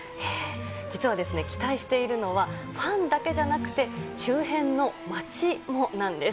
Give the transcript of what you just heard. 実は、期待しているのはファンだけじゃなくて周辺の街もなんです。